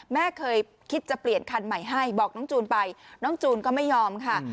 แม่เคยคิดจะเปลี่ยนคันใหม่ให้บอกน้องจูนไปน้องจูนก็ไม่ยอมค่ะ